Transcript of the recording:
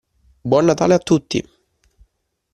Buon natale a tutti!